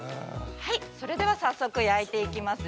はい、それでは早速焼いていきますよ。